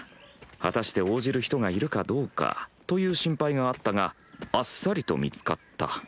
果たして応じる人がいるかどうかという心配があったがあっさりと見つかった。